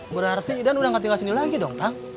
berarti idan udah gak tinggal sini lagi dong cik